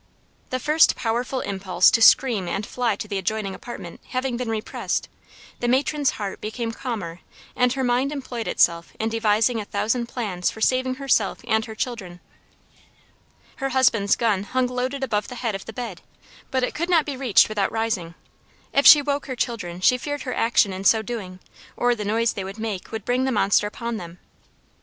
The first powerful impulse to scream and fly to the adjoining apartment having been repressed, the matron's heart became calmer and her mind employed itself in devising a thousand plans for saving herself and her children. Her husband's gun hung loaded above the head of the bed, but it could not be reached without rising; if she woke her children she feared her action in so doing or the noise they would make would bring the monster upon them.